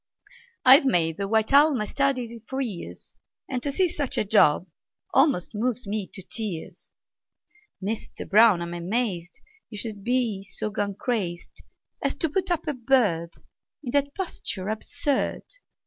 I've made the white owl my study for years, And to see such a job almost moves me to tears! Mister Brown, I'm amazed You should be so gone crazed As to put up a bird In that posture absurd!